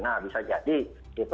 nah bisa jadi